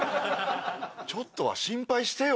ちょっとは心配してよ。